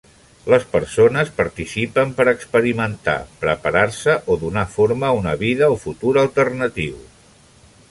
Les persones participen per experimentar, preparar-se o donar forma a una vida o futur alternatiu.